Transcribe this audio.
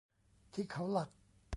ที่เขาหลัก